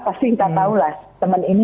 pasti kita tahu lah teman ini